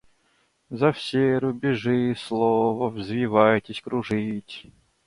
За все рубежи слова — взвивайтесь кружить.